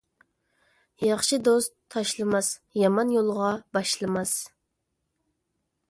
ياخشى دوست تاشلىماس، يامان يولغا باشلىماس.